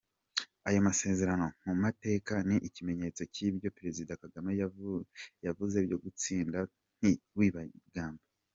Ayo masezerano, mu mateka, ni ikimenyetso cy’ibyo Perezida Kagame yavuze byo gutsinda ntiwigambe.